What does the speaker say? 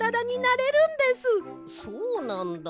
そうなんだ。